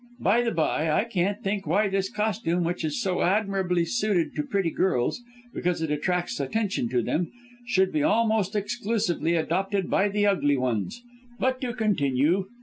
By the bye, I can't think why this costume, which is so admirably suited to pretty girls because it attracts attention to them should be almost exclusively adopted by the ugly ones. But to continue.